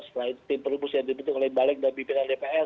setelah itu tim perhubungan yang dibutuhkan oleh baleg dan bpn dpr